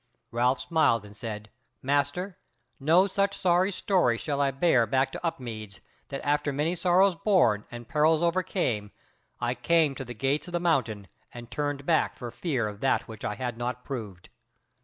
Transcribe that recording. Ralph smiled and said: "Master, no such sorry story shall I bear back to Upmeads, that after many sorrows borne, and perils overcome, I came to the Gates of the Mountains, and turned back for fear of that which I had not proved."